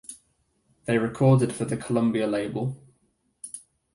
They recorded for the Columbia label.